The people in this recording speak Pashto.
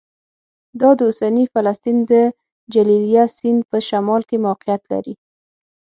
دا د اوسني فلسطین د جلیلیه سیند په شمال کې موقعیت لري